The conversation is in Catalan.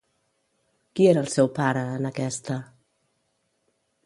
Qui era el seu pare, en aquesta?